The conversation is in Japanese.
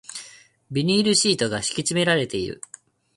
ビニールシートが敷き詰められている